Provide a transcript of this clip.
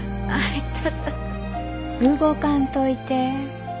ああいや。